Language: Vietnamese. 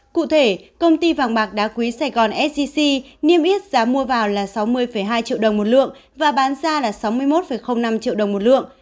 cụ thể công ty vàng bạc đá quý sài gòn sgc niêm yết giá mua vào là sáu mươi hai triệu đồng một lượng và bán ra là sáu mươi một năm triệu đồng một lượng